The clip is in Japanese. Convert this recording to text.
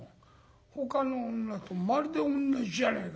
ほかの女とまるでおんなじじゃねえか。